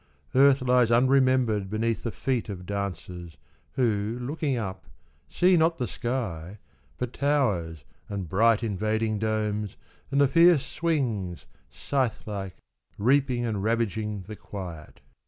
Earth Lies unremembered beneath the feet of dancers Who, looking up, see not the sky, but towers And bright invading domes and the fierce swings. Scythe like, reaping and ravaging the quiet.